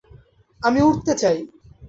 আমি উড়তে চাই।